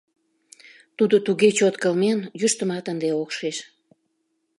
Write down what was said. Тудо туге чот кылмен - йӱштымат ынде ок шиж.